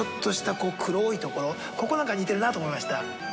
ここはなんか似てるなと思いました。